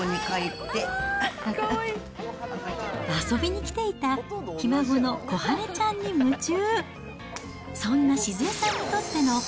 遊びに来ていた、ひ孫のこはねちゃんに夢中。